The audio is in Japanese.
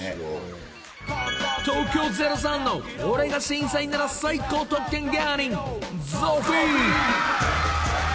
［東京０３の俺が審査員なら最高得点芸人］